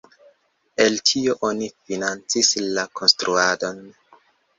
El tio oni financis la konstruadon.